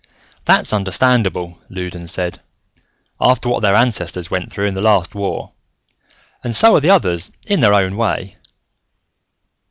"That's understandable," Loudons said, "after what their ancestors went through in the last war. And so are the others, in their own way.